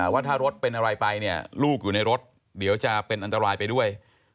ว่าถ้ารถเป็นอะไรไปเนี่ยลูกอยู่ในรถเดี๋ยวจะเป็นอันตรายไปด้วย